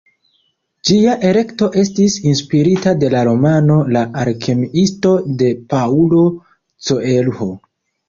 Ĝia elekto estis inspirita de la romano "La alkemiisto" de Paulo Coelho.